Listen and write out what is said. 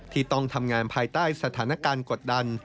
ที่ต้องทำงานภายใต้สถานการณ์กดดัน